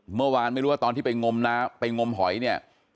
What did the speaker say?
เมื่อวานไม่รู้ว่าตอนที่ไปงมน้ำไปงมหอยเนี่ย